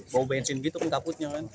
bau bensin gitu pun kabutnya kan